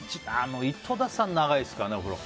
井戸田さんは長いですからねお風呂。